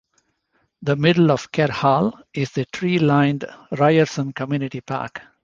The middle of Kerr Hall is the tree lined Ryerson Community Park.